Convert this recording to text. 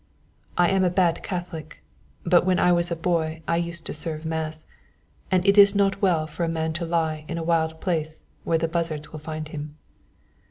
I am a bad Catholic, but when I was a boy I used to serve mass, and it is not well for a man to lie in a wild place where the buzzards will find him."